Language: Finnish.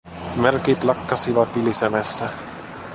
Merkit lakkasivat vilisemästä.